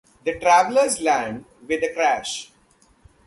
The travelers land with a crash.